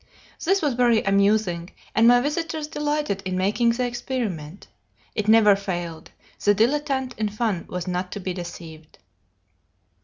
This was very amusing, and my visitors delighted in making the experiment. It never failed; the dilettante in fun was not to be deceived.